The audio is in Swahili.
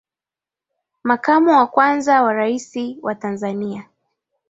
Makamo wa kwanza wa Rais wa Tanzania